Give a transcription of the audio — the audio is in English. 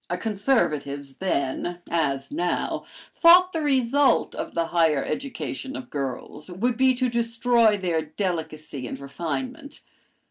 "Conservatives then, as now, thought the result of the higher education of girls would be to destroy their delicacy and refinement.